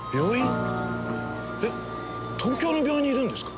えっ東京の病院にいるんですか？